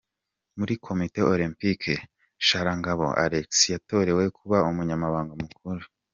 Muri Komite Olempike, Sharangabo Alexis yatorewe kuba Umunyamabanga mukuru.